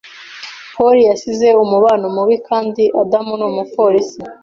Polly yasize umubano mubi kandi Adam numupolisi